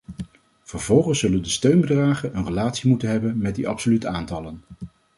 Vervolgens zullen de steunbedragen een relatie moeten hebben met de absolute aantallen.